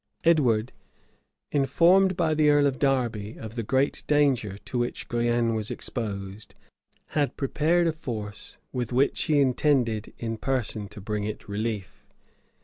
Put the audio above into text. Edward, informed by the earl of Derby of the great danger to which Guienne was exposed, had prepared a force with which he intended in person to bring it relief.